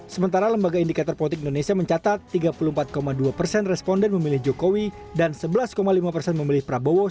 sementara lembaga indikator politik indonesia mencatat tiga puluh empat dua persen responden memilih jokowi dan sebelas lima persen memilih prabowo